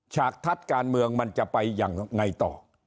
ฉากทัศน์การเมืองมันจะไปยังไงต่อ